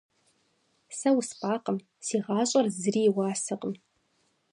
Сэ успӀакъым – си гъащӀэр зыри и уасэкъым.